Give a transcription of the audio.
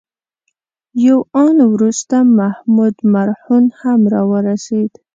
یو آن وروسته محمود مرهون هم راورسېد.